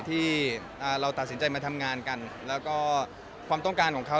ที่เราตัดสินใจมาทำงานกันแล้วก็ความต้องการของเขา